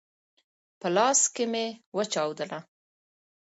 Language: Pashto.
په لاس کي مي وچاودله !